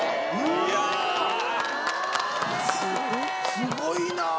すごいな！